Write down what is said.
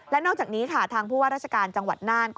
และนอกจากนี้ค่ะทางผู้ว่าราชการจังหวัดน่าน